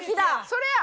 それや！